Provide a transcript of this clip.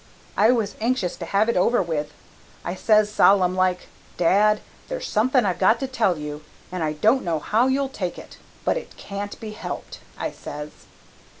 "I was anxious to have it over with. I says, solemn like, 'Dad, there's something I've got to tell you, and I don't know how you'll take it, but it can't be helped,' I says.